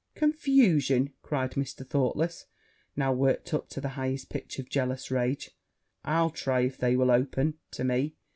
'Confusion!' cried Mr. Thoughtless, now worked up to the highest pitch of jealous rage; 'I'll try if they will open to me!'